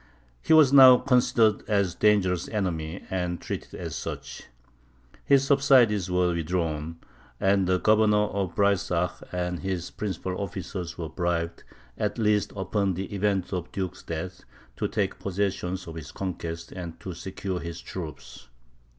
He was now considered as a dangerous enemy, and treated as such. His subsidies were withdrawn; and the Governor of Breysach and his principal officers were bribed, at least upon the event of the duke's death, to take possession of his conquests, and to secure his troops.